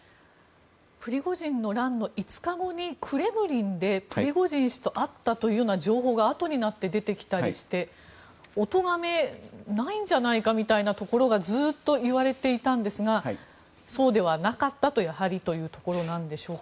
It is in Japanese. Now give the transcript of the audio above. プリゴジンの乱の５日後にクレムリンでプリゴジン氏と会ったという情報があとになって出てきたりしておとがめないんじゃないかみたいなことがずっと言われてたんですがそうではなかったとやはりということなんでしょうか。